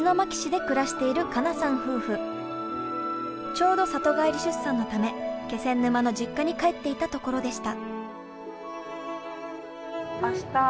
ちょうど里帰り出産のため気仙沼の実家に帰っていたところでした。